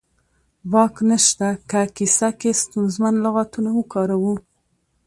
باک نه شته که کیسه کې ستونزمن لغاتونه وکاروو